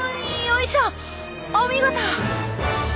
お見事！